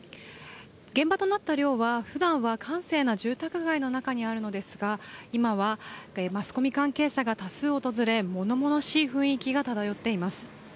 現場となった寮は、ふだんは、閑静な住宅街の中にあるのですが今はマスコミ関係者が多数訪れものものしい雰囲気が漂っています。